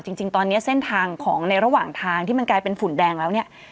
จริงตอนนี้เส้นทางของในระหว่างทางที่มันกลายเป็นฝุ่นแดงแล้วเนี่ย